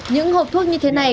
những hộp thuốc như thế này